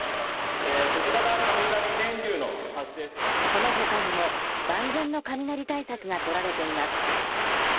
その他にも万全の雷対策が取られています。